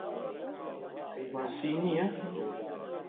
ئەی ماسی نییە؟